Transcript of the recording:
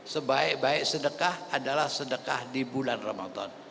sebaik baik sedekah adalah sedekah di bulan ramadan